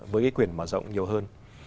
với quyền mở rộng nhiều hơn